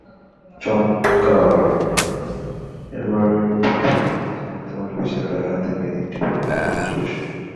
এবারই প্রথম বুদ্ধিজীবী হত্যাকাণ্ডের বিচারের রায় হাতে নিয়ে দিনটি পালন করবে দেশবাসী।